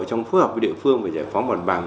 trong phù hợp với địa phương về giải phóng bản bằng